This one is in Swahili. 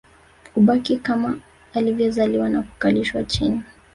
Hubaki kama alivyozaliwa na kukalishwa chini